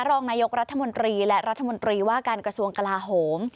รองนายกรัฐมนตรีและรัฐมนตรีว่าการกระทรวงกลาโหม